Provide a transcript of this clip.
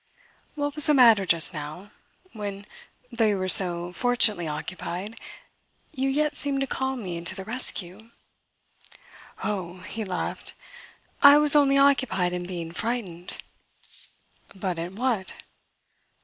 "What was the matter just now when, though you were so fortunately occupied, you yet seemed to call me to the rescue?" "Oh," he laughed, "I was only occupied in being frightened!" "But at what?"